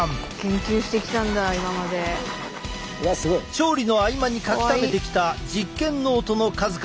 調理の合間に書きためてきた実験ノートの数々。